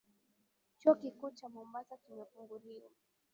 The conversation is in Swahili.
Chuo kikuu cha Mombasa kimefunguliwa